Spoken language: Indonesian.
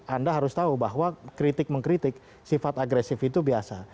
anda harus tahu bahwa kritik mengkritik sifat agresif itu biasa